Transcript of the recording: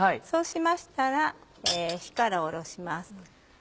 そうしましたら火から下ろします。